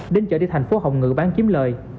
đến chợ đi thành phố hồng ngự bán kiếm lời